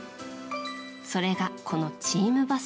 それが、このチームバス。